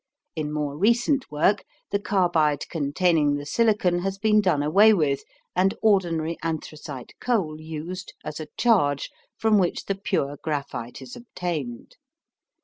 In more recent work the carbide containing the silicon has been done away with and ordinary anthracite coal used as a charge from which the pure graphite is obtained.